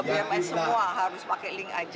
padahal ini masih soft launching ya